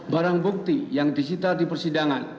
barang bukti yang disita di persidangan